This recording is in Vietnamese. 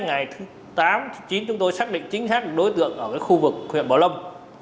ngày thứ tám chín chúng tôi xác định chính xác được đối tượng ở khu vực huyện bảo lâm